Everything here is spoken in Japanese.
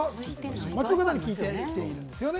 街の方に聞いてるんですよね。